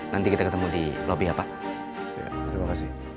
nanti kita ketemu di lobby ya pak